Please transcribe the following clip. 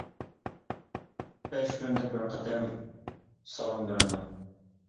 بەش كۈندە بىر قېتىم سالام بېرىدۇ.